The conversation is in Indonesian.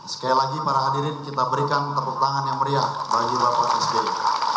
sekali lagi para hadirin kita berikan tepuk tangan yang meriah bagi bapak sby